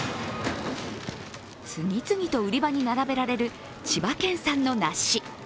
次々と売り場に並べられる千葉県産の梨。